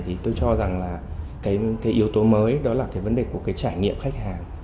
thì tôi cho rằng là cái yếu tố mới đó là vấn đề của trải nghiệm khách hàng